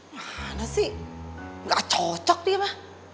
mana sih gak cocok dia ma